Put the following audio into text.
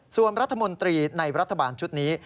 ส่วนรัฐมนตรีในรัฐบาลชุดนี้